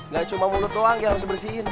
gak cuma mulut doang yang harus dibersihin